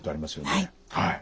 はい。